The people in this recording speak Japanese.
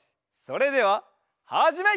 それでははじめ！